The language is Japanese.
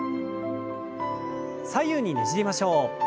左右にねじりましょう。